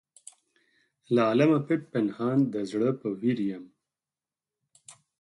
له عالمه پټ پنهان د زړه په ویر یم.